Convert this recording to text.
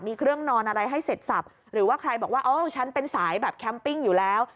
มีเครื่องนอนอะไรให้เสร็จสับหรือว่าใครบอกว่าเออฉันเป็นสายแบบแคมปิ้งอยู่แล้ว